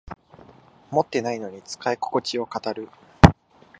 持ってないのに使いここちを語る